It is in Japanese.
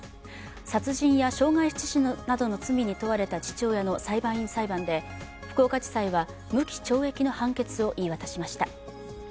殺人や傷害致死などの罪に問われた父親の裁判員裁判で福岡地裁は無期懲役の判決を言い渡しました。